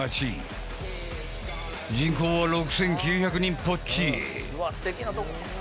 人口は６９００人ぽっち。